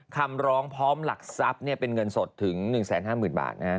คำร้องพร้อมหลักทรัพย์เป็นเงินสดถึง๑๕๐๐๐บาท